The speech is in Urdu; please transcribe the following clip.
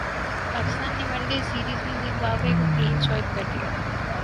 پاکستان نے ون ڈے سیریز میں زمبابوے کو کلین سوئپ کردیا